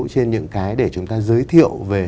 trên những cái để chúng ta giới thiệu về